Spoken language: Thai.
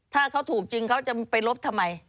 ถ้าเขาถูกจริงเขาจะไปลบทำไม